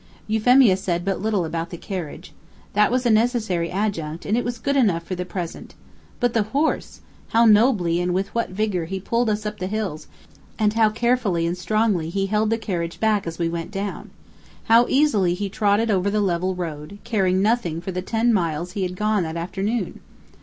Euphemia said but little about the carriage. That was a necessary adjunct, and it was good enough for the present. But the horse! How nobly and with what vigor he pulled us up the hills and how carefully and strongly he held the carriage back as we went down! How easily he trotted over the level road, caring nothing for the ten miles he had gone that afternoon!